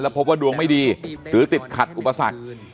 พบว่าดวงไม่ดีหรือติดขัดอุปสรรค